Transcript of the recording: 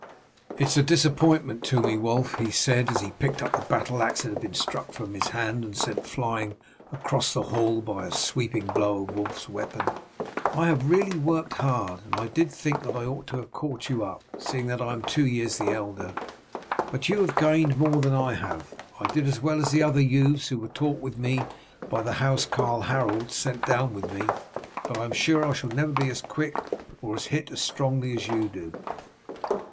"It is a disappointment to me, Wulf," he said as he picked up the battle axe that had been struck from his hand and sent flying across the hall by a sweeping blow of Wulf's weapon. "I have really worked very hard, and I did think that I ought to have caught you up, seeing that I am two years the elder. But you have gained more than I have. I did as well as the other youths who were taught with me by the house carl Harold sent down with me, but I am sure I shall never be as quick or hit as strongly as you do."